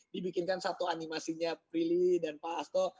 dibikinkan satu animasinya prilly dan pak asto